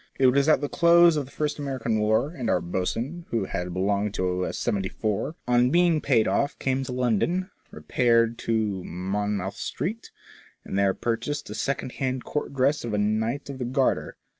It was at the close of the first American war, and our boatswain, who had belonged to a seventy four, on being paid off came to London, repaired to Mon mouth Street, and there purchased a secondhand Court dress of a Knight of the Garter.